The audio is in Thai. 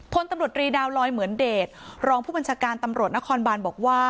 ทนตำลวดตรีดาวหลอยเหมือนเดรศลองผู้บัญชาการตำลวดหน้าคอนบานบอกว่า